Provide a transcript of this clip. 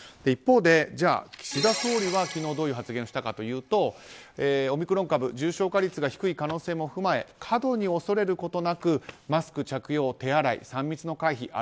一方で岸田総理は昨日どういう発言をしたかというとオミクロン株重症化率が低い可能性も踏まえ過度に恐れることなくマスク着用、手洗い、３密の回避